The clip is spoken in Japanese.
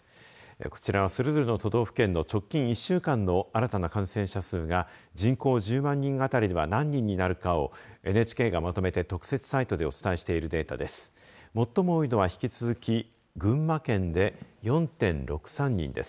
こちらは、それぞれの都道府県の直近１週間の新たな感染者数が人口１０万人当たりでは何人なるかをＮＨＫがまとめる特設サイトでお伝えしているデータです。